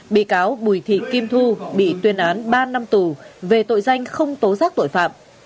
bị cáo bùi thị kim thu bị tuyên án ba năm tù về tội danh không tố giác tội phạm